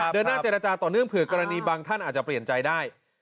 เดินหน้าเจรจาต่อเนื่องเผื่อกรณีบางท่านอาจจะเปลี่ยนใจได้